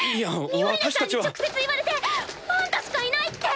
ミオリネさんに直接言われて「あんたしかいない」って。